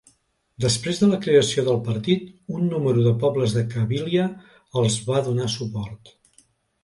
Després de la creació del partit, un número de pobles de Cabília els va donar suport.